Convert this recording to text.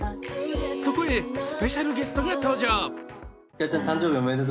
そこへスペシャルゲストが登場。